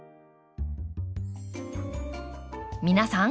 皆さん